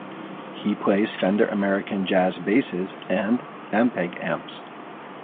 He plays Fender American Jazz Basses and Ampeg Amps.